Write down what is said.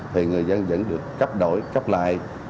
thì người dân vẫn được cấp đổi cấp lại